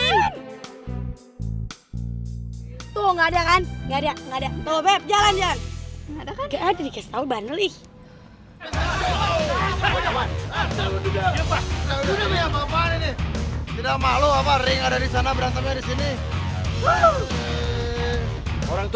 lo gak usah mikirin masalah itu